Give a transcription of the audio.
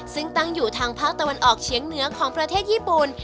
ซึ่งตั้งอยู่ทางภาคตะวันออกเฉียงเหนือของประเทศญี่ปุ่น